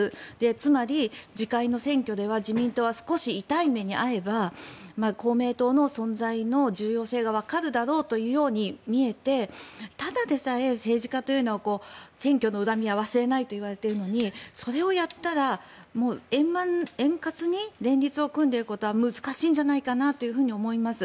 つまり、次回の選挙では自民党は少し痛い目に遭えば公明党の存在の重要性がわかるだろうと見えてただでさえ政治家というのは選挙の恨みは忘れないといわれているのにそれをやったら円滑に連立を組んでいることは難しいんじゃないかと思います。